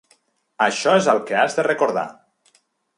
Això és el que has de recordar.